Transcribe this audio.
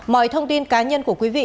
mọi thông tin cá nhân của quý vị